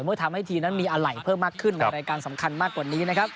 เมื่อทำให้ทีมนั้นมีอะไรเพิ่มมากขึ้นในรายการสำคัญมากกว่านี้นะครับ